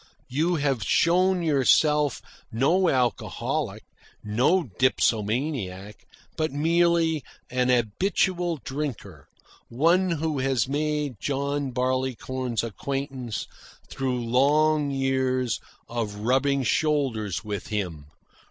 "You have shown yourself no alcoholic, no dipsomaniac, but merely an habitual drinker, one who has made John Barleycorn's acquaintance through long years of rubbing shoulders with him.